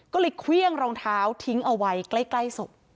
ก็เลยเครื่องรองเท้าทิ้งเอาไว้ใกล้ศพ